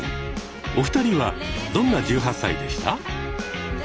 お二人はどんな１８歳でした？